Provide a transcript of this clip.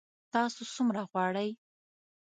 تاسو څومره غواړئ؟